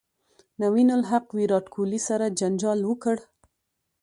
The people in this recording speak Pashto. نوین الحق ویرات کوهلي سره جنجال وکړ